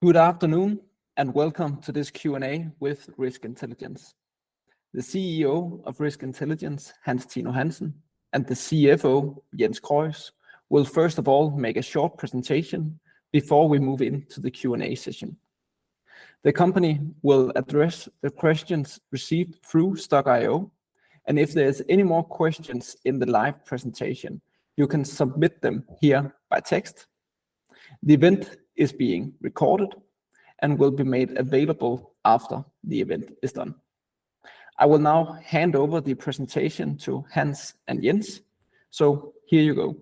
Good afternoon, and welcome to this Q&A with Risk Intelligence. The CEO of Risk Intelligence, Hans Tino Hansen, and the CFO, Jens Krøis, will first of all make a short presentation before we move into the Q&A session. The company will address the questions received through Stokk.io, and if there's any more questions in the live presentation, you can submit them here by text. The event is being recorded and will be made available after the event is done. I will now hand over the presentation to Hans and Jens. Here you go.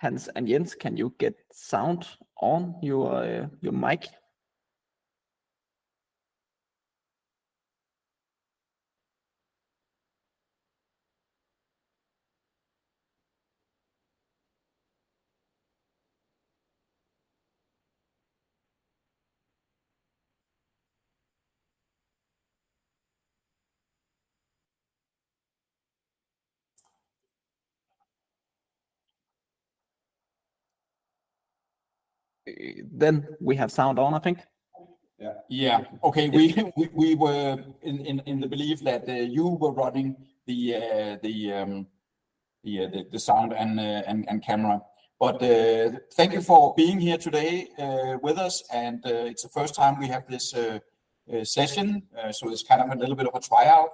Hans and Jens, can you get sound on your mic? We have sound on, I think. Yeah. Yeah. Okay. We were in the belief that you were running the sound and camera. Thank you for being here today with us and it's the first time we have this session. It's kind of a little bit of a tryout.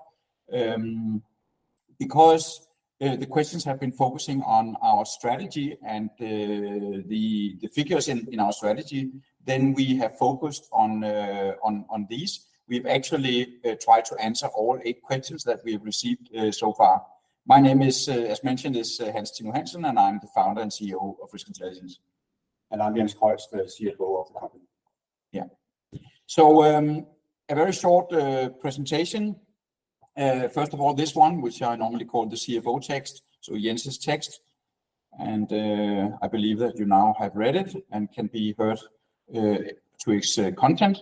Because the questions have been focusing on our strategy and the figures in our strategy, then we have focused on these. We've actually tried to answer all 8 questions that we have received so far. My name is, as mentioned, is Hans Tino Hansen, and I'm the founder and CEO of Risk Intelligence. I'm Jens Krøis, the CFO of the company. Yeah. A very short presentation. First of all, this one, which I normally call the CFO text, Jens' text, I believe that you now have read it and can be heard to its content.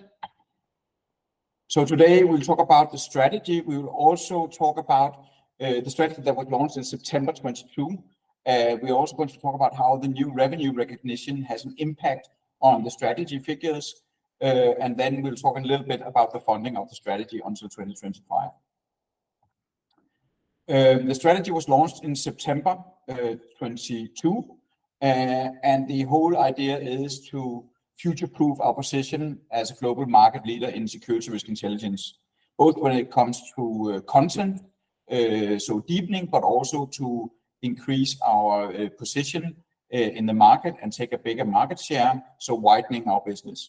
Today we'll talk about the strategy. We will also talk about the strategy that was launched in September 2022. We're also going to talk about how the new revenue recognition has an impact on the strategy figures, then we'll talk a little bit about the funding of the strategy until 2025. The strategy was launched in September 2022. The whole idea is to future-proof our position as a global market leader in security risk intelligence, both when it comes to content, so deepening, but also to increase our position in the market and take a bigger market share, so widening our business.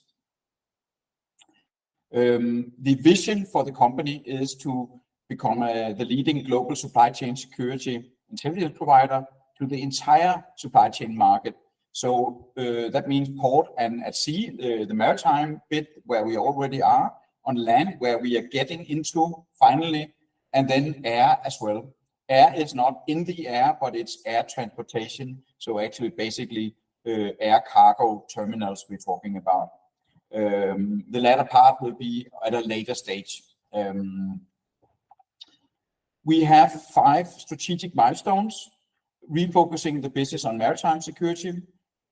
The vision for the company is to become the leading global supply chain security intelligence provider to the entire supply chain market. That means port and at sea, the maritime bit where we already are, on land, where we are getting into finally, and then air as well. Air is not in the air, but it's air transportation, so actually basically, air cargo terminals we're talking about. The latter part will be at a later stage. We have five strategic milestones: refocusing the business on maritime security,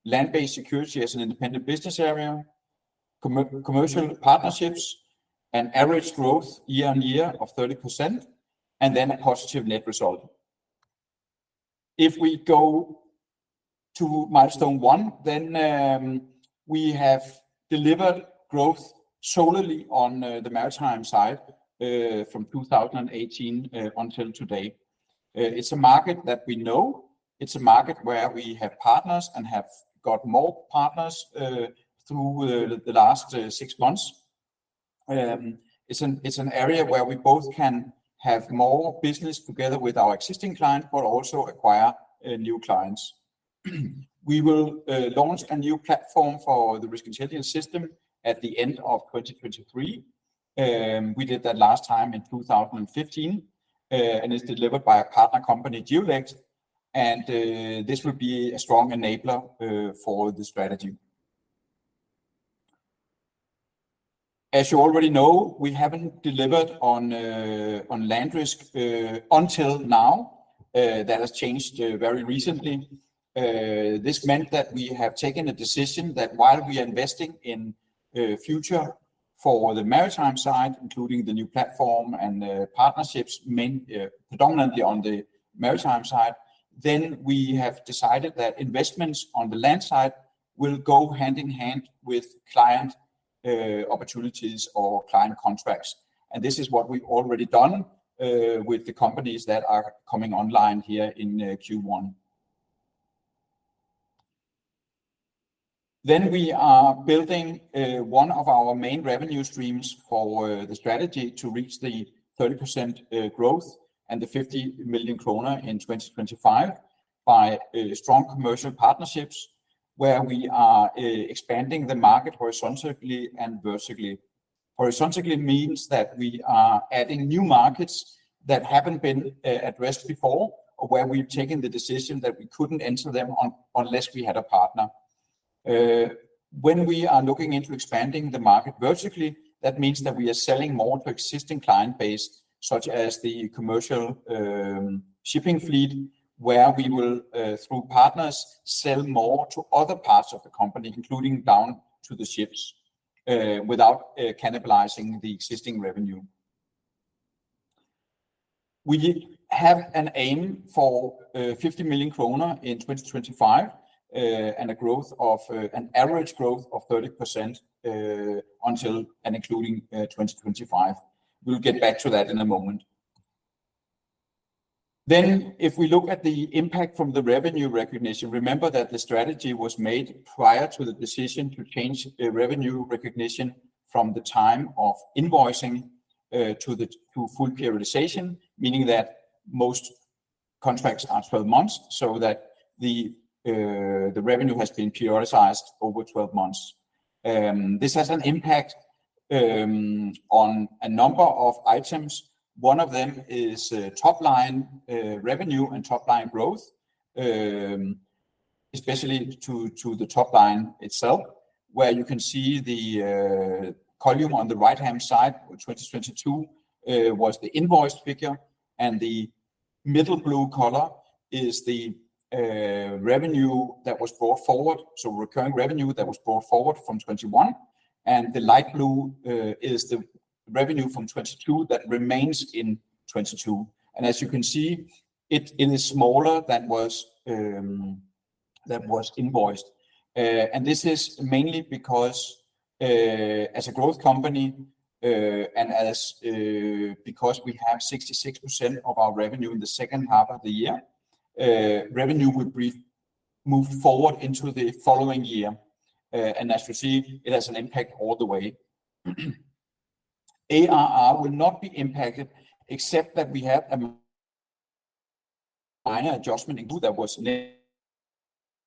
land-based security as an independent business area, commercial partnerships, an average growth year-on-year of 30%, and a positive net result. If we go to milestone one, we have delivered growth solely on the maritime side, from 2018 until today. It's a market that we know. It's a market where we have partners and have got more partners through the last six months. It's an area where we both can have more business together with our existing clients but also acquire new clients. We will launch a new platform for the Risk Intelligence System at the end of 2023. We did that last time in 2015, it's delivered by a partner company, Geollect, this will be a strong enabler for the strategy. As you already know, we haven't delivered on LandRisk until now. That has changed very recently. This meant that we have taken a decision that while we are investing in future for the maritime side, including the new platform and partnerships predominantly on the maritime side, then we have decided that investments on the land side will go hand in hand with client opportunities or client contracts. This is what we've already done with the companies that are coming online here in Q1. We are building one of our main revenue streams for the strategy to reach the 30% growth and 50 million kroner in 2025 by strong commercial partnerships, where we are expanding the market horizontally and vertically. Horizontally means that we are adding new markets that haven't been addressed before or where we've taken the decision that we couldn't enter them unless we had a partner. When we are looking into expanding the market vertically, that means that we are selling more to existing client base, such as the commercial shipping fleet, where we will through partners, sell more to other parts of the company, including down to the ships without cannibalizing the existing revenue. We have an aim for 50 million kroner in 2025, and an average growth of 30% until and including 2025. We'll get back to that in a moment. If we look at the impact from the revenue recognition, remember that the strategy was made prior to the decision to change the revenue recognition from the time of invoicing, to full periodisation. Meaning that most contracts are 12 months, so that the revenue has been periodized over 12 months. This has an impact on a number of items. One of them is, top line, revenue and top line growth, especially to the top line itself, where you can see the column on the right-hand side, where 2022 was the invoice figure, and the middle blue color is the revenue that was brought forward, so recurring revenue that was brought forward from 2021. The light blue, is the revenue from 2022 that remains in 2022. As you can see, it is smaller than was, than was invoiced. This is mainly because, as a growth company, and as, because we have 66% of our revenue in the second half of the year, revenue will be moved forward into the following year. As we see, it has an impact all the way. ARR will not be impacted, except that we have a minor adjustment in Q that was made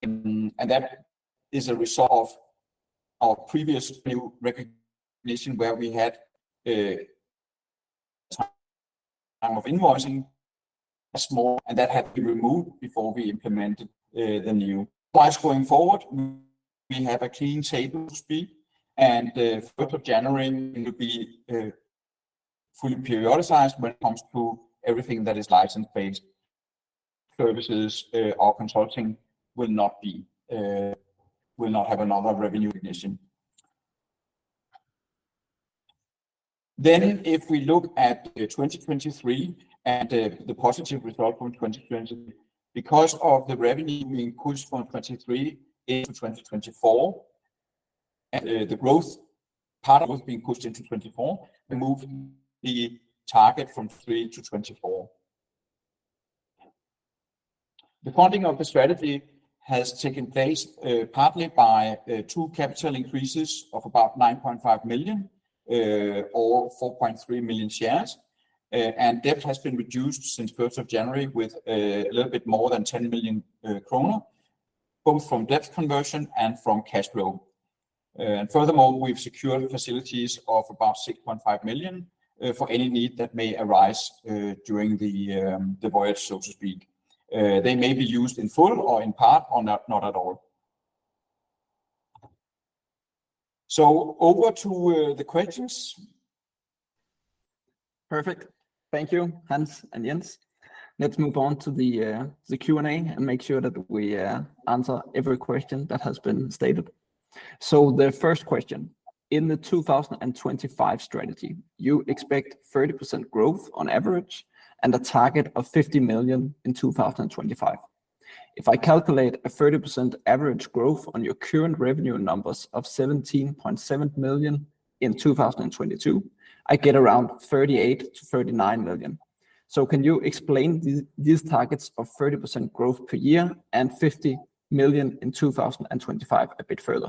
in. That is a result of our previous revenue recognition, where we had a time of invoicing as well, and that had to be removed before we implemented the new. Going forward, we have a clean table speed, and the first of January will be fully periodicized when it comes to everything that is license-based. Services or consulting will not be, will not have another revenue recognition. If we look at the 2023 and the positive result from 2023, because of the revenue being pushed from 2023 into 2024, and the growth part was being pushed into 2024, we moved the target from 3 to 2024. The funding of the strategy has taken place, partly by two capital increases of about 9.5 million, or 4.3 million shares. Debt has been reduced since first of January with a little bit more than 10 million kroner, both from debt conversion and from cash flow. Furthermore, we've secured facilities of about 6.5 million for any need that may arise during the voyage, so to speak. They may be used in full or in part or not at all. Over to the questions. Perfect. Thank you, Hans and Jens. Let's move on to the Q&A and make sure that we answer every question that has been stated. The first question: In the 2025 strategy, you expect 30% growth on average and a target of 50 million in 2025. If I calculate a 30% average growth on your current revenue numbers of 17.7 million in 2022, I get around 38 million-39 million. Can you explain these targets of 30% growth per year and 50 million in 2025 a bit further?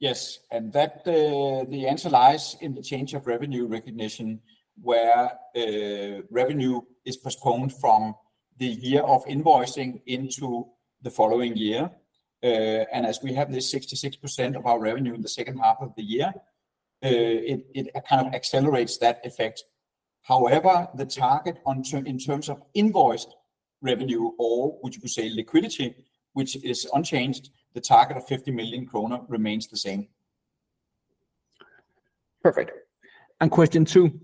Yes. That, the answer lies in the change of revenue recognition, where revenue is postponed from the year of invoicing into the following year. As we have this 66% of our revenue in the second half of the year, it kind of accelerates that effect. However, the target in terms of invoiced revenue or which you could say liquidity, which is unchanged, the target of 50 million kroner remains the same. Perfect. Question two: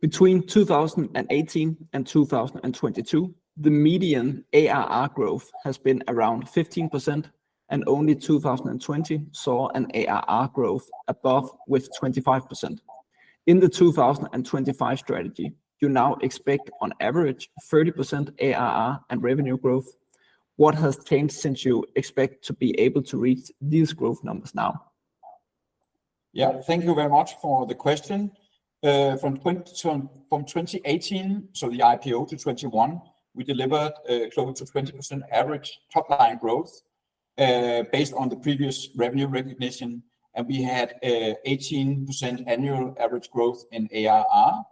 Between 2018 and 2022, the median ARR growth has been around 15%, and only 2020 saw an ARR growth above with 25%. In the 2025 strategy, you now expect on average 30% ARR and revenue growth. What has changed since you expect to be able to reach these growth numbers now? Yeah. Thank you very much for the question. From 2018, so the IPO, to 2021, we delivered close to 20% average top-line growth based on the previous revenue recognition, and we had a 18% annual average growth in ARR.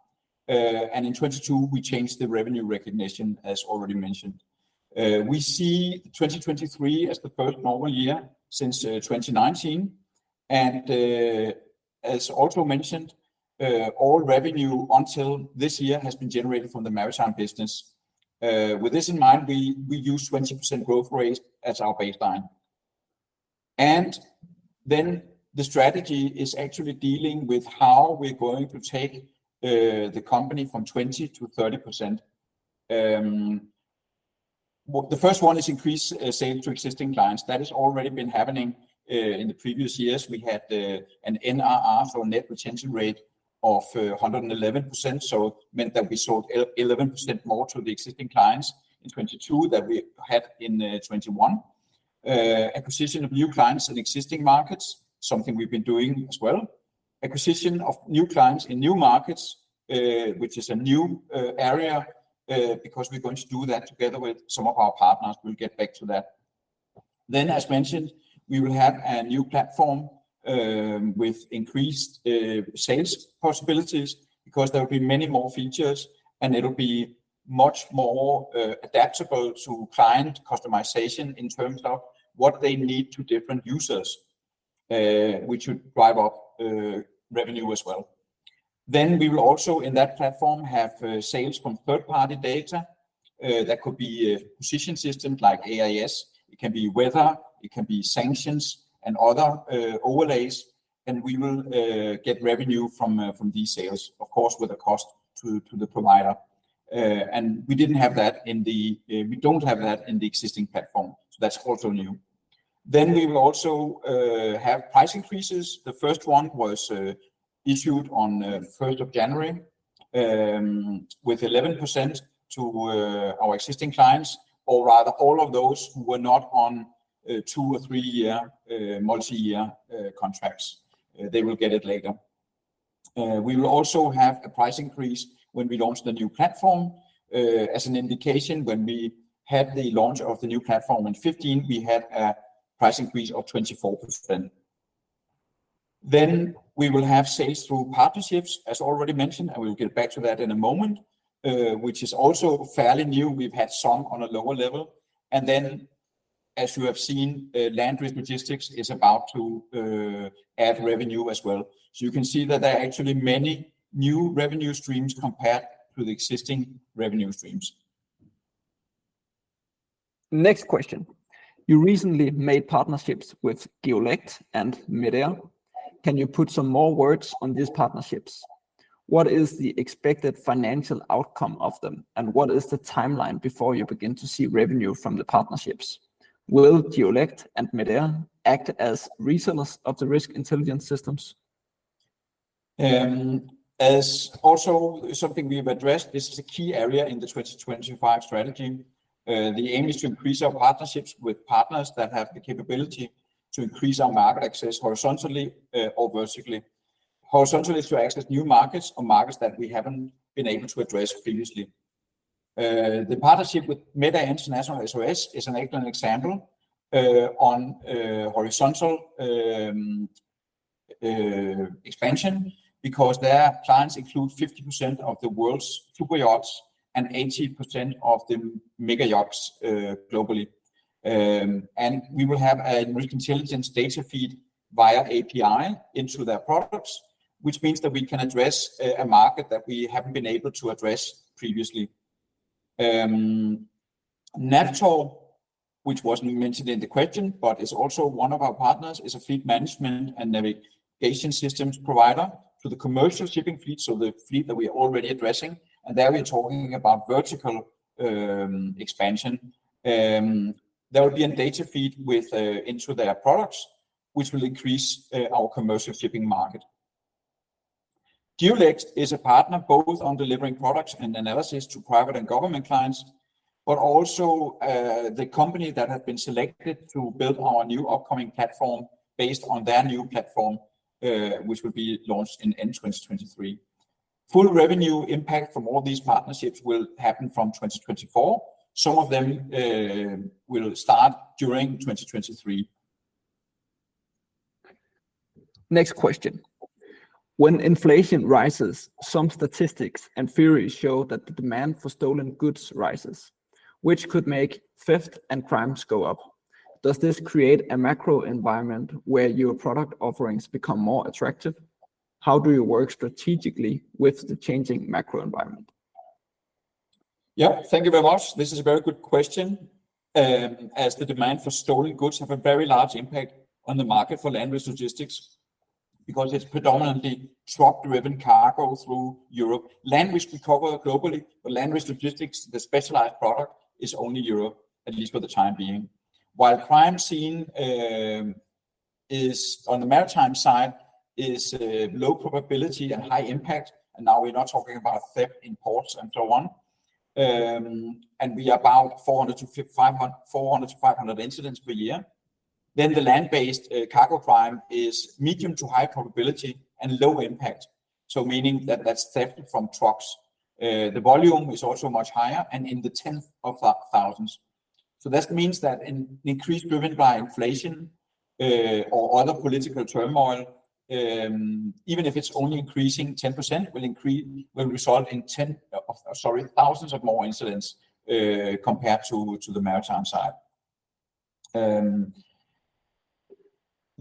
In 2022, we changed the revenue recognition as already mentioned. We see 2023 as the first normal year since 2019. As also mentioned, all revenue until this year has been generated from the maritime business. With this in mind, we use 20% growth rate as our baseline. Then the strategy is actually dealing with how we're going to take the company from 20%-30%. The first one is increase sales to existing clients. That has already been happening. In the previous years, we had an NRR or net retention rate of 111%, meant that we sold 11% more to the existing clients in 2022 that we had in 2021. Acquisition of new clients in existing markets, something we've been doing as well. Acquisition of new clients in new markets, which is a new area, because we're going to do that together with some of our partners. We'll get back to that. As mentioned, we will have a new platform with increased sales possibilities because there will be many more features and it'll be much more adaptable to client customization in terms of what they need to different users, which would drive up revenue as well. We will also in that platform have sales from third-party data that could be position systems like AIS. It can be weather, it can be sanctions and other overlays, and we will get revenue from these sales, of course, with a cost to the provider. We don't have that in the existing platform, so that's also new. We will also have price increases. The 1st one was issued on 1st of January with 11% to our existing clients, or rather all of those who were not on 2 or 3 year multi-year contracts. They will get it later. We will also have a price increase when we launch the new platform. As an indication, when we had the launch of the new platform in 2015, we had a price increase of 24%. We will have sales through partnerships, as already mentioned, and we'll get back to that in a moment, which is also fairly new. We've had some on a lower level. As you have seen, LandRisk Logistics is about to add revenue as well. You can see that there are actually many new revenue streams compared to the existing revenue streams. Next question. You recently made partnerships with Geollect and MedAire. Can you put some more words on these partnerships? What is the expected financial outcome of them, and what is the timeline before you begin to see revenue from the partnerships? Will Geollect and MedAire act as resellers of the Risk Intelligence System? As also something we've addressed, this is a key area in the 2025 strategy. The aim is to increase our partnerships with partners that have the capability to increase our market access horizontally or vertically. Horizontally is to access new markets or markets that we haven't been able to address previously. The partnership with MedAire International SOS is an excellent example on horizontal expansion because their clients include 50% of the world's super yachts and 80% of the mega yachts globally. We will have a Risk Intelligence data feed via API into their products, which means that we can address a market that we haven't been able to address previously. NAVTOR, which wasn't mentioned in the question, but is also one of our partners, is a fleet management and navigation systems provider to the commercial shipping fleet, so the fleet that we are already addressing, there we are talking about vertical expansion. There will be a data feed with into their products, which will increase our commercial shipping market. Geollect is a partner both on delivering products and analysis to private and government clients, but also the company that have been selected to build our new upcoming platform based on their new platform, which will be launched in 2023. Full revenue impact from all these partnerships will happen from 2024. Some of them will start during 2023. Next question. When inflation rises, some statistics and theories show that the demand for stolen goods rises, which could make theft and crimes go up. Does this create a macro environment where your product offerings become more attractive? How do you work strategically with the changing macro environment? Thank you very much. This is a very good question, as the demand for stolen goods have a very large impact on the market for land-based logistics because it's predominantly truck-driven cargo through Europe. Land-based we cover globally, land-based logistics, the specialized product, is only Europe, at least for the time being. Crime scene is, on the maritime side, is low probability and high impact, now we're not talking about theft in ports and so on, we are about 400-500 incidents per year, the land-based cargo crime is medium to high probability and low impact, meaning that that's theft from trucks. The volume is also much higher and in the tens of thousands. That means that an increase driven by inflation, or other political turmoil, even if it's only increasing 10% will result in thousands of more incidents compared to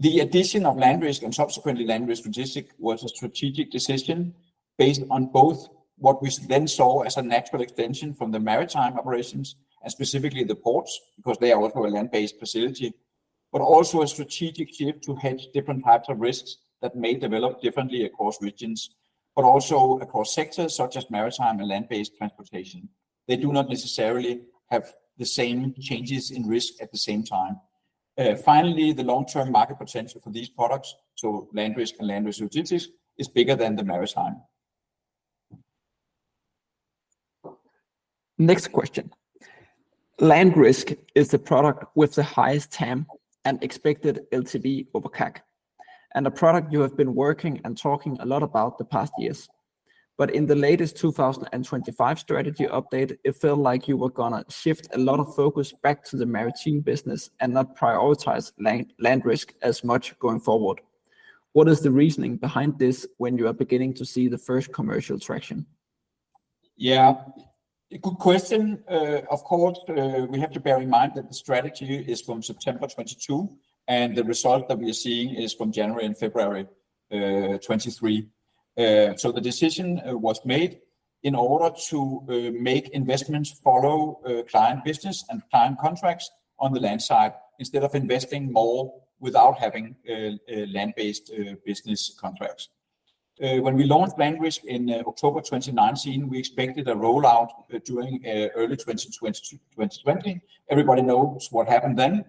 the maritime side. The addition of LandRisk and subsequently LandRisk Logistics was a strategic decision based on both what we then saw as a natural extension from the maritime operations and specifically the ports, because they are also a land-based facility. Also a strategic shift to hedge different types of risks that may develop differently across regions, but also across sectors such as maritime and land-based transportation. They do not necessarily have the same changes in risk at the same time. Finally, the long-term market potential for these products, so LandRisk and LandRisk Logistics, is bigger than the maritime. Next question. LandRisk is the product with the highest TAM and expected LTV over CAC, and a product you have been working and talking a lot about the past years. In the latest 2025 strategy update, it felt like you were gonna shift a lot of focus back to the maritime business and not prioritize LandRisk as much going forward. What is the reasoning behind this when you are beginning to see the first commercial traction? Yeah. A good question. Of course, we have to bear in mind that the strategy is from September 2022, and the result that we are seeing is from January and February 2023. The decision was made in order to make investments follow client business and client contracts on the land side, instead of investing more without having land-based business contracts. When we launched LandRisk in October 2019, we expected a rollout during early 2020. Everybody knows what happened then.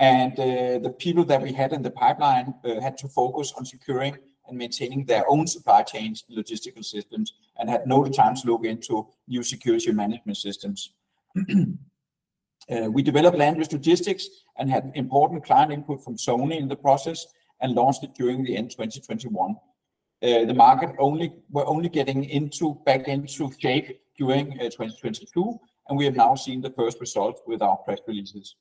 The people that we had in the pipeline had to focus on securing and maintaining their own supply chains, logistical systems, and had no time to look into new security management systems. We developed LandRisk Logistics and had important client input from Sony in the process and launched it during the end 2021. The market were only getting into back into shape during 2022, and we have now seen the first results with our press releases.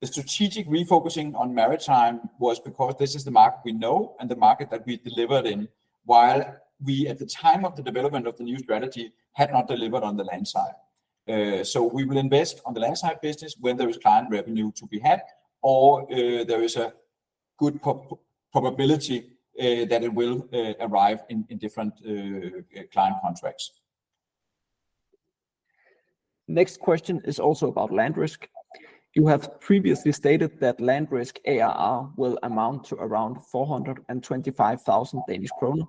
The strategic refocusing on maritime was because this is the market we know and the market that we delivered in, while we, at the time of the development of the new strategy, had not delivered on the land side. We will invest on the land side business when there is client revenue to be had or there is a good probability that it will arrive in different client contracts. Next question is also about LandRisk. You have previously stated that LandRisk ARR will amount to around 425,000 Danish kroner.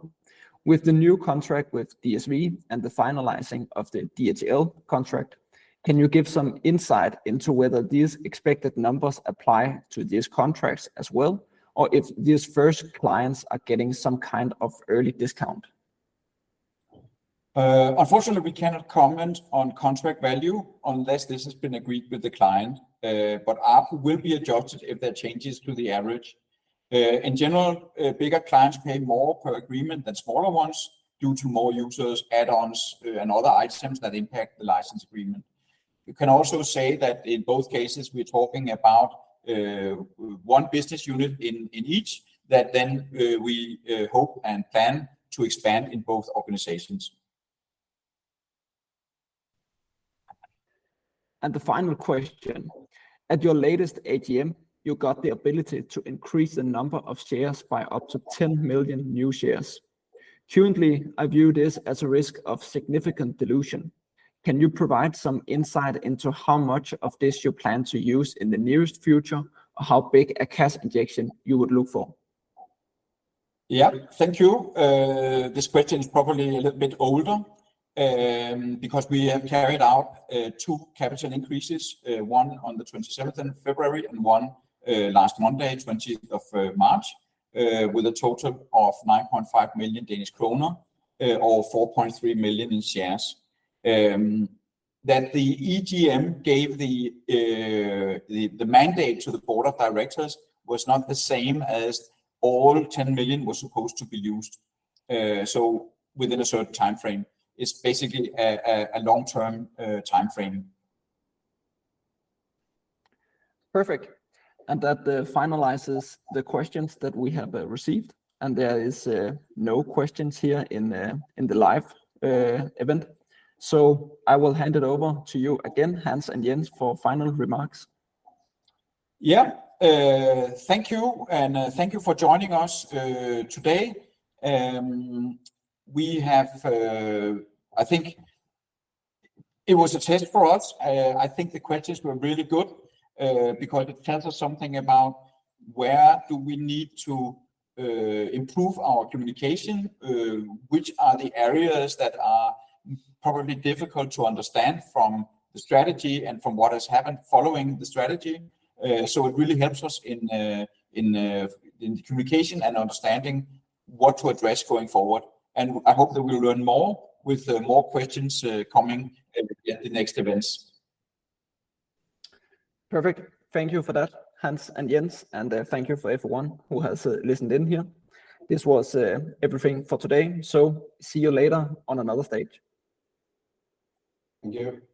With the new contract with DSV and the finalizing of the DHL contract, can you give some insight into whether these expected numbers apply to these contracts as well, or if these first clients are getting some kind of early discount? Unfortunately, we cannot comment on contract value unless this has been agreed with the client. ARPU will be adjusted if there are changes to the average. In general, bigger clients pay more per agreement than smaller ones due to more users, add-ons, and other items that impact the license agreement. We can also say that in both cases, we're talking about one business unit in each that then we hope and plan to expand in both organizations. The final question: At your latest AGM, you got the ability to increase the number of shares by up to 10 million new shares. Currently, I view this as a risk of significant dilution. Can you provide some insight into how much of this you plan to use in the nearest future, or how big a cash injection you would look for? Thank you. This question is probably a little bit older, because we have carried out two capital increases, one on the 27th of February and one last Monday, 20th of March, with a total of 9.5 million Danish kroner, or 4.3 million shares. That the EGM gave the mandate to the board of directors was not the same as all 10 million was supposed to be used, within a certain time frame. It's basically a long-term time frame. Perfect. That finalizes the questions that we have received. There is no questions here in the live event. I will hand it over to you again, Hans and Jens, for final remarks. Yeah. Thank you, and thank you for joining us today. We have, I think it was a test for us. I think the questions were really good because it tells us something about where do we need to improve our communication, which are the areas that are probably difficult to understand from the strategy and from what has happened following the strategy. It really helps us in communication and understanding what to address going forward. I hope that we'll learn more with more questions coming in the next events. Perfect. Thank you for that, Hans and Jens. Thank you for everyone who has listened in here. This was everything for today. See you later on another stage. Thank you.